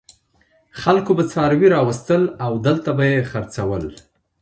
خلکو به څاروي راوستل او دلته به یې خرڅول.